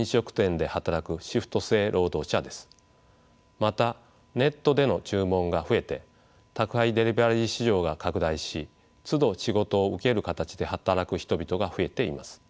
またネットでの注文が増えて宅配デリバリー市場が拡大しつど仕事を受ける形で働く人々が増えています。